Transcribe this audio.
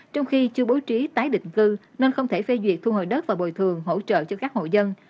trong khi chưa bố trí tái định cư nên không thể phê duyệt thu hồi đất và bồi thường hỗ trợ cho các hộ dân